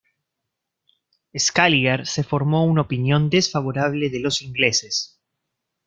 Scaliger se formó una opinión desfavorable de los ingleses.